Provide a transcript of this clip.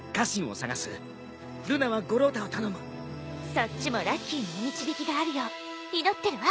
そっちもラッキーのお導きがあるよう祈ってるわ。